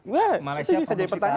wah itu bisa jadi pertanyaan